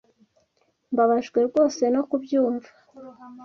Mbabajwe rwose no kubyumva.